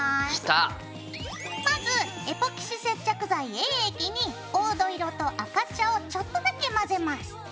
まずエポキシ接着剤Ａ液に黄土色と赤茶をちょっとだけ混ぜます。